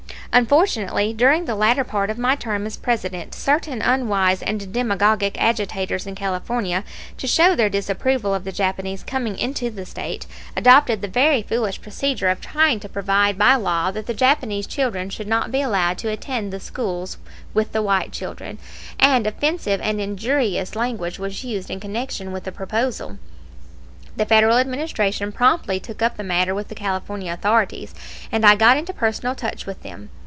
Unfortunately, during the latter part of my term as President certain unwise and demagogic agitators in California, to show their disapproval of the Japanese coming into the State, adopted the very foolish procedure of trying to provide by law that the Japanese children should not be allowed to attend the schools with the white children, and offensive and injurious language was used in connection with the proposal. The Federal Administration promptly took up the matter with the California authorities, and I got into personal touch with them.